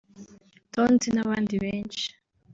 Tonzi n’abandi benshi